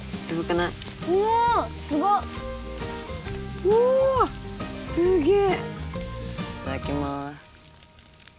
いただきます。